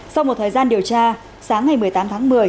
sau một thời gian điều tra sáng ngày một mươi tám tháng một mươi